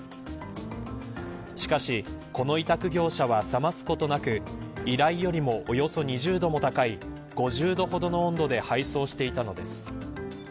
しかし、この委託業者は冷ますことなく依頼よりもおよそ２０度も高い５０度ほどの温度で配送していたのです。